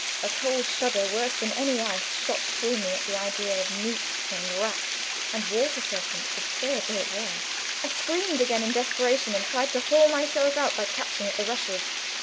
A cold shudder, worse than any ice, shot through me at the idea of newts and rats and water serpents, absurd though it was. I screamed again in desperation, and tried to haul myself out by catching at the rushes.